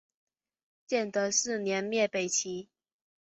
建德四年灭北齐。